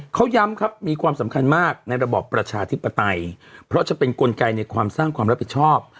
เขาย้ำครับมีความสำคัญมากในระบอบประชาธิปไตยเพราะจะเป็นกลไกในความสร้างความรับผิดชอบ